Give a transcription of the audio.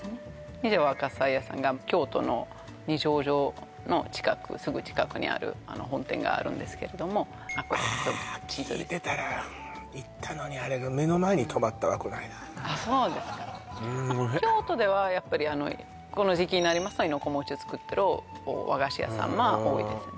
二條若狭屋さんが京都の二条城の近くすぐ近くにある本店があるんですけれどもあっ聞いてたら行ったのに目の前に泊まったわこないだあっそうですか京都ではやっぱりこの時期になりますと亥の子餅を作ってる和菓子屋さん多いですね